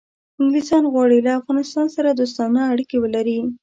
انګلیسان غواړي له افغانستان سره دوستانه اړیکې ولري.